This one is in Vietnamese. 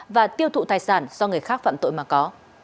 và tiêu thụ tài sản do người khác phạm tội mà có